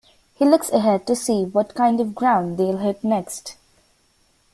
He looks ahead to see what kind of ground they'll hit next.